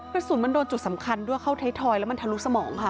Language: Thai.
กระสุนมันโดนจุดสำคัญด้วยเข้าไทยทอยแล้วมันทะลุสมองค่ะ